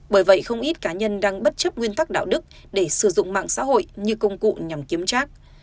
bởi vậy không ít cá nhân đang bất chấp nguyên tắc đạo đức để sử dụng mạng xã hội như công cụ nhằm kiếm trác